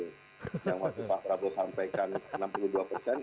yang waktu pak prabowo sampaikan